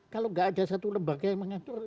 kalau nggak ada satu lembaga yang mengatur